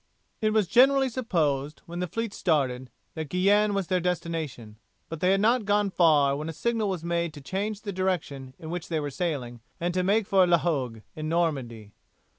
It was generally supposed, when the fleet started, that Guienne was their destination, but they had not gone far when a signal was made to change the direction in which they were sailing and to make for La Hogue in Normandy.